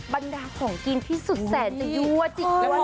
บรรดาของกินที่สุดแสดงจะยั่วจิตตัวใจ